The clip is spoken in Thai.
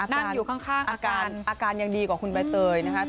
นั่งอยู่ข้างอาการอาการยังดีกว่าคุณใบเตยนะคะ